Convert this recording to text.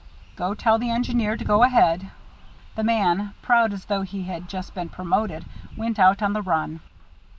"Go tell the engineer to go ahead." The man, proud as though he had just been promoted, went out on the run.